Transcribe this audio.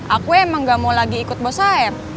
aku emang gak mau lagi ikut bos saeb